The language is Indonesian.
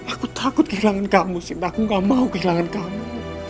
aku takut kehilangan kamu sih aku gak mau kehilangan kamu